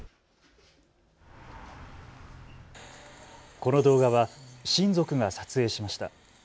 この動画は親族が撮影しました。